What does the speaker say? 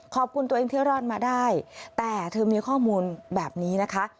ขอบคุณตัวเองที่รอดมาได้แต่เธอมีข้อมูลแบบนี้นะคะ